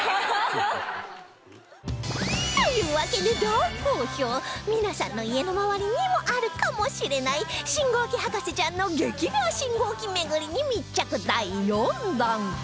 というわけで大好評皆さんの家の周りにもあるかもしれない信号機博士ちゃんの激レア信号機巡りに密着第４弾